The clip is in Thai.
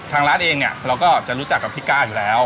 ทางร้านเองเนี่ยเราก็จะรู้จักกับพี่ก้าอยู่แล้ว